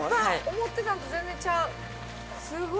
思ってたのと全然ちゃう。